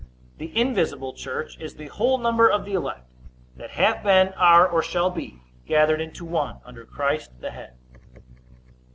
The invisible church is the whole number of the elect, that have been, are, or shall be gathered into one under Christ the head.